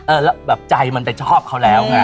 เออแล้วแบบใจมันแต่ชอบเขาแล้วไง